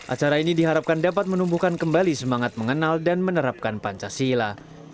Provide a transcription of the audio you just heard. acara ini diharapkan dapat menumbuhkan kembali semangat mengenal dan menerapkan pancasila